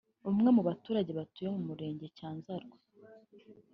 umwe mu baturage batuye mu Murenge Cyanzarwe